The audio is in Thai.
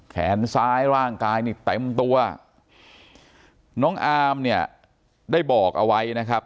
แขนซ้ายร่างกายนี่เต็มตัวน้องอามเนี่ยได้บอกเอาไว้นะครับ